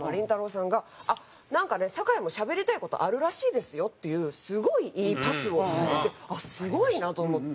さんが「あっなんかね酒井もしゃべりたい事あるらしいですよ」っていうすごいいいパスをくれてあっすごいなと思って。